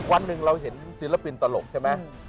วันหนึ่งเราเห็นศิลปินตลกใช่ไหม